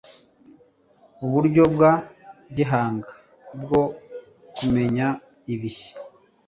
uburyo bwa gihanga bwo kumenya ibihe.